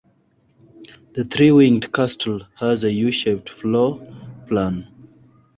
The three-winged castle has a U-shaped floor-plan.